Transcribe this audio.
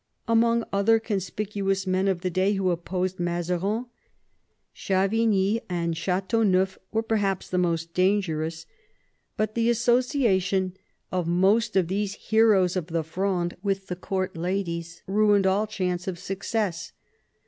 Among other conspicuous men of the day who opposed Mazarin, Chavigny and ChSteauneuf were perhaps the most dangerous. But the association of 58 MAZARIN chap. most of these heroes of the Fronde with the court ladies ruined all chance of success.